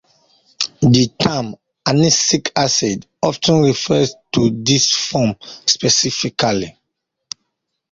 The term "anisic acid" often refers to this form specifically.